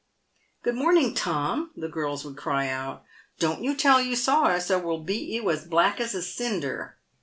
" Good morning, Tom," the girls would cry out. " Don't you tell you saw us, or we'll beat you as black as a cinder."